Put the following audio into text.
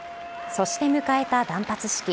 そして迎えた断髪式。